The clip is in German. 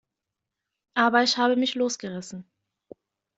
Aber ich habe mich losgerissen.